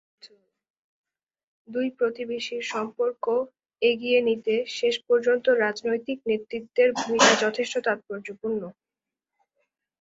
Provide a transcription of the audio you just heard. দুই প্রতিবেশীর সম্পর্ক এগিয়ে নিতে শেষ পর্যন্ত রাজনৈতিক নেতৃত্বের ভূমিকা যথেষ্ট তাৎপর্যপূর্ণ।